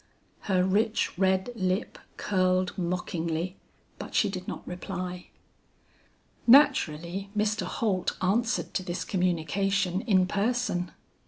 "Her rich red lip curled mockingly, but she did not reply. "Naturally Mr. Holt answered to this communication in person.